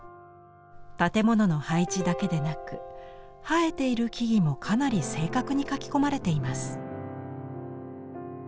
建物の配置だけでなく生えている木々もかなり正確に描き込まれています。